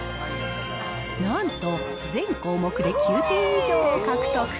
なんと、全項目で９点以上を獲得。